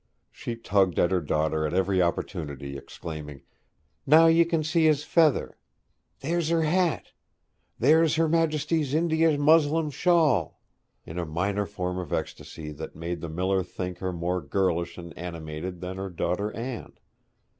She tugged at her daughter at every opportunity, exclaiming, 'Now you can see his feather!' 'There's her hat!' 'There's her Majesty's India muslin shawl!' in a minor form of ecstasy, that made the miller think her more girlish and animated than her daughter Anne.